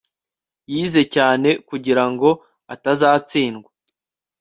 yize cyane kugirango atazatsindwa